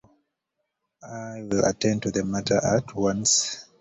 I will attend to the matter at once.